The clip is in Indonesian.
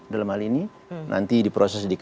dalam hal ini nanti di proses